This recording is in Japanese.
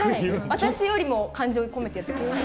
私よりも感情込めてやってます。